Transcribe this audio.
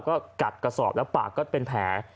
ก็กัดกระสอบแล้วปากก็เป็นแผล